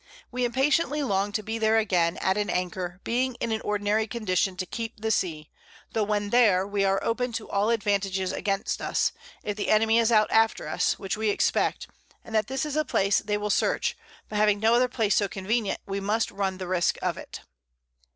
We impatiently long to be there again, at an Anchor, being in an ordinary Condition to keep the Sea, tho' when there, we are open to all Advantages against us, if the Enemy is out after us, which we expect, and that this is a Place they will search, but having no other Place so convenient, we must run the Risque of it.